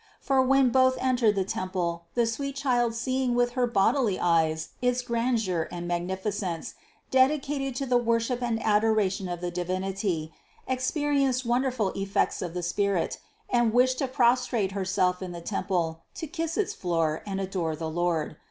For when both entered the temple, the sweet Child seeing with her bodily eyes its grandeur and magnificence, dedicated to the worship and adoration of the Divinity, experienced wonderful effects of the Spirit and wished to prostrate Herself in the tem ple, to kiss its floor, and adore the Lord.